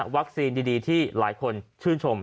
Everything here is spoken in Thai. วัคซีนดีที่หลายคนชื่นชม